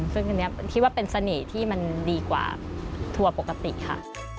ซึ่งอันนี้คิดว่าเป็นเสน่ห์ที่มันดีกว่าทัวร์ปกติค่ะ